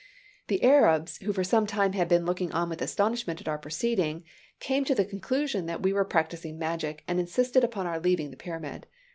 "The Arabs, who for some time had been looking on with astonishment at our proceedings, came to the conclusion that we were practicing magic, and insisted upon our leaving the pyramid.